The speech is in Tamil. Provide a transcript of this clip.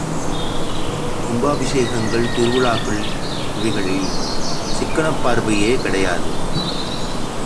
கும்பாபிஷேகங்கள், திருவிழாக்கள் இவைகளில் சிக்கனப் பார்வையே கிடையாது!